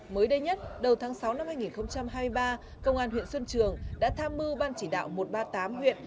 mới đây nhất đầu tháng sáu năm hai nghìn hai mươi ba công an huyện xuân trường đã tham mưu ban chỉ đạo một trăm ba mươi tám huyện